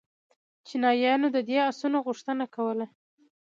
چینایانو د دې آسونو غوښتنه کوله